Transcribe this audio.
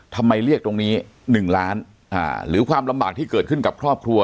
ทำไมเรียกตรงนี้๑ล้านหรือความลำบากที่เกิดขึ้นกับครอบครัว